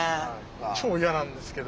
超嫌なんですけど。